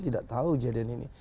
tidak tahu kejadian ini